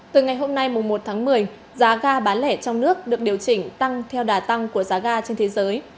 từ ngày hôm nay một tháng một mươi giá ga bán lẻ trong nước được điều chỉnh tăng theo đà tăng của giá ga trên thế giới